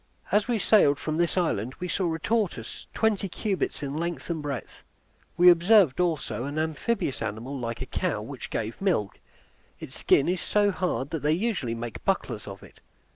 As we sailed from this island we saw a tortoise twenty cubits in length and breadth. We observed also an amphibious animal like a cow, which gave milk; its skin is so hard that they usually make bucklers of it.